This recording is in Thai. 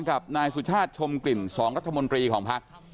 กับนายสุชาติชมกลิ่น๒รัฐมนตรีของภักดิ์